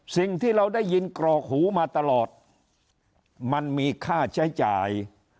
สิ่งที่เราได้ยินกรอกหูมาตลอดมันมีค่าใช้จ่าย